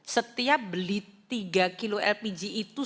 setiap beli tiga kilo lpg itu